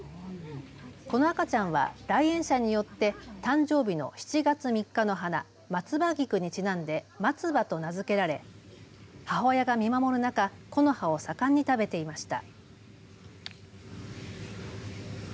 この赤ちゃんは来園者によって誕生日の７月３日の花マツバギクにちなんでマツバと名付けられ母親が見守る中木の葉をさかんに食べていました。